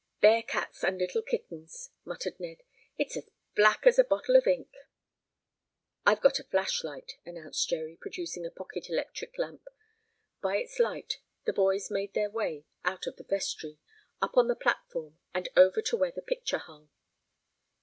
"Bear cats and little kittens!" muttered Ned. "It's as black as a bottle of ink." "I've got a flashlight," announced Jerry, producing a pocket electric lamp. By its light the boys made their way out of the vestry, up on the platform and over to where the picture hung.